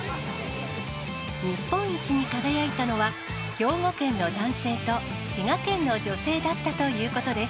日本一に輝いたのは、兵庫県の男性と滋賀県の女性だったということです。